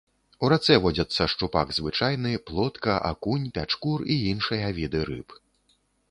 У рацэ водзяцца шчупак звычайны, плотка, акунь, пячкур і іншыя віды рыб.